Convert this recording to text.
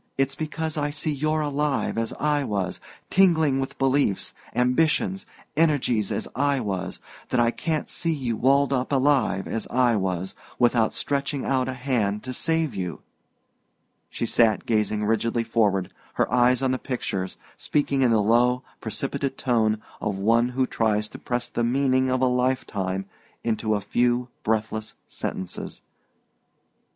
It's because I see you're alive, as I was, tingling with beliefs, ambitions, energies, as I was that I can't see you walled up alive, as I was, without stretching out a hand to save you!" She sat gazing rigidly forward, her eyes on the pictures, speaking in the low precipitate tone of one who tries to press the meaning of a lifetime into a few breathless sentences.